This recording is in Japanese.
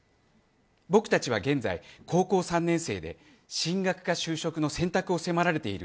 僕たちは現在、高校３年生で進学か就職の選択を迫られている